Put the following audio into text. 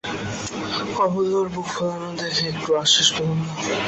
অমূল্যর বুক-ফোলানো দেখে একটুও আশ্বাস পেলুম না।